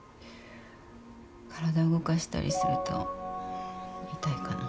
体を動かしたりすると痛いかな。